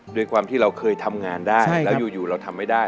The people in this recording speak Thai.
ด้วยความที่เราเคยทำงานได้แล้วอยู่เราทำไม่ได้